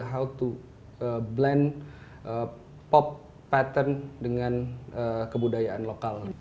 bagaimana cara melengkapi pop pattern dengan kebudayaan lokal